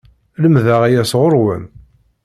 Lemdeɣ aya sɣur-wen!